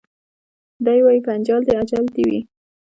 دی وايي پنچال دي اجل دي وي